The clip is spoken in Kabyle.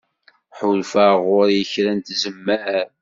Ḥulfaɣ ɣur-i kra n tzemmar.